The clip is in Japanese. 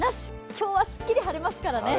今日はすっきり晴れますからね。